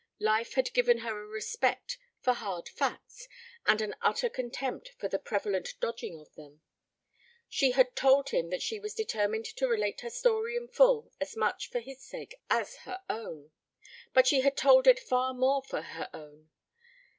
Life had given her a respect for hard facts and an utter contempt for the prevalent dodging of them. She had told him that she was determined to relate her story in full as much for his sake as her own. But she had told it far more for her own.